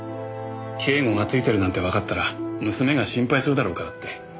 警護がついてるなんてわかったら娘が心配するだろうからって。